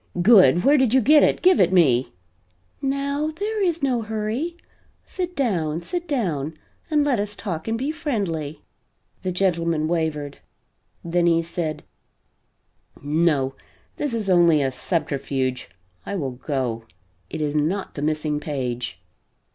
"Good! Where did you get it? Give it me!" "Now there is no hurry. Sit down; sit down and let us talk and be friendly." The gentleman wavered. Then he said: "No, this is only a subterfuge. I will go. It is not the missing page."